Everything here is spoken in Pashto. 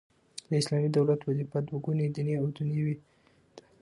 د اسلامي دولت وظیفه دوه ګونې دیني او دنیوې ده.